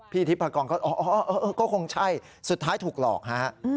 ทิพกรก็อ๋อก็คงใช่สุดท้ายถูกหลอกฮะ